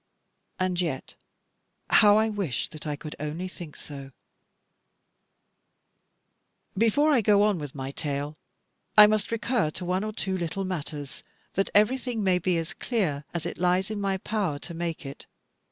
And yet how I wish that I could only think so. Before I go on with my tale, I must recur to one or two little matters, that everything may be as clear as it lies in my power to make it.